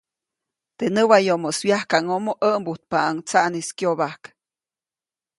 Teʼ näwayomoʼis wyajkaʼŋʼomo ʼäʼmbujtpaʼuŋ tsaʼnis kyobajk.